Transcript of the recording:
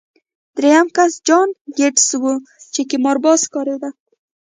درېیم کس جان ګیټس و چې قمارباز ښکارېده